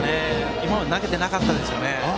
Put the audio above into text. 今まで投げていなかったですよね。